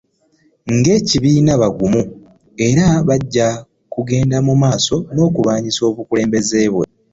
Ng'ekibiina, bagumu era bajja kugenda mu maaso n'okulwanyisa obukulembeze bwe.